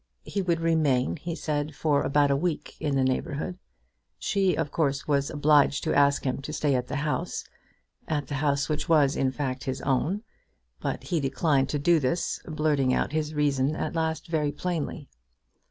He would remain, he said, for about a week in the neighbourhood. She of course was obliged to ask him to stay at the house, at the house which was in fact his own; but he declined to do this, blurting out his reason at last very plainly.